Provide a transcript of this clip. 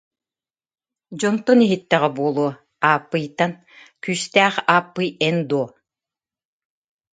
Дьонтон иһиттэҕэ буолуо, Ааппыйтан: «Күүстээх Ааппый эн дуо